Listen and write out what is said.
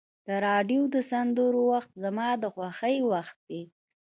د راډیو د سندرو وخت زما د خوښۍ وخت دی.